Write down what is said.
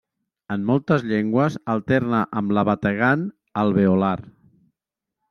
En moltes llengües alterna amb la bategant alveolar.